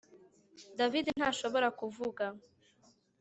David ntashobora kuvuga